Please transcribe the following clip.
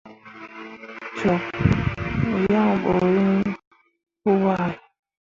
Cok yan bo yiŋ pu ʼahe.